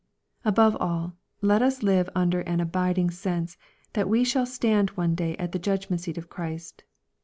Above all, let us live under an abiding sense, that we shall stand one day at the judgment seat of Christ.